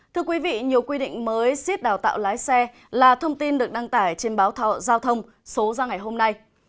thưa quý vị nhiều quy định mới xét đào tạo lái xe là thông tin được đăng tải trên báo giao thông số ra ngày hôm nay